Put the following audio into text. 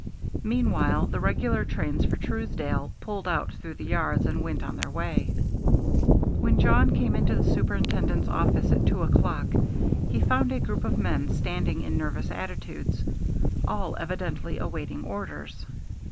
Meanwhile the regular trains for Truesdale pulled out through the yards and went on their way. When Jawn came into the Superintendent's office at two o'clock he found a group of men standing in nervous attitudes, all evidently awaiting orders.